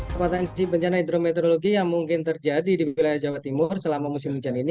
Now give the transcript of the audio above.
potensi bencana hidrometeorologi yang mungkin terjadi di wilayah jawa timur selama musim hujan ini